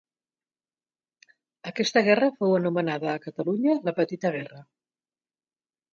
Aquesta guerra fou anomenada a Catalunya "la petita Guerra".